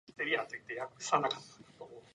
This was launched shortly after Tiny Pop's website.